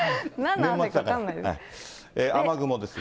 雨雲ですが。